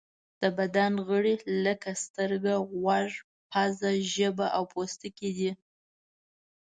د بدن غړي لکه سترګه، غوږ، پزه، ژبه او پوستکی دي.